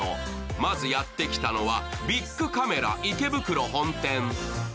まずやってきたのは、ビックカメラ池袋本店。